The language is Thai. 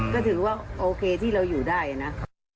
ก็ถือว่าโอเคที่เราอยู่ได้นะ